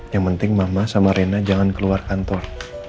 yang penting mama sama rena jangan keluar kantor